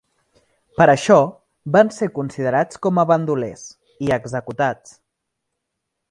Per això, van ser considerats com a bandolers, i executats.